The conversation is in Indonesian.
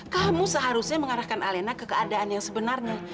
kamu seharusnya mengarahkan alena ke keadaan yang sebenarnya